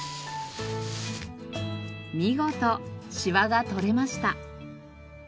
見事しわが取れました。